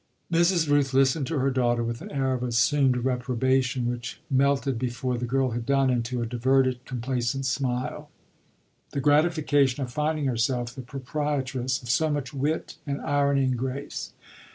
Mrs. Rooth listened to her daughter with an air of assumed reprobation which melted, before the girl had done, into a diverted, complacent smile the gratification of finding herself the proprietress of so much wit and irony and grace.